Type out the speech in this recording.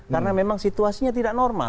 karena memang situasinya tidak normal